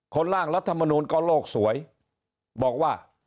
ร่างรัฐมนูลก็โลกสวยบอกว่า